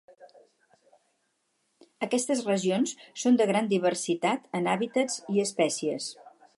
Aquestes regions són de gran diversitat en hàbitats i espècies.